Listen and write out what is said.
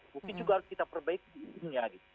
mungkin juga harus kita perbaiki di dunia nih